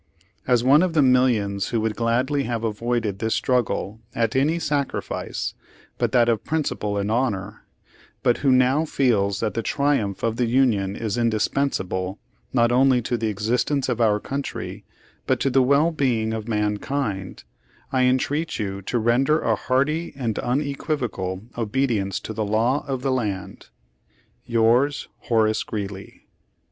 As one of the millions who would gladly have avoided this struggle at any sacrifice but that of principle and honor, but who now feels that the triumph of the Union is indispensable not only to the existence of our country, but to the well being of mankind, I entreat you to render a hearty and unequivocal obedience to the law of the land. "Yours, Horace Greeley."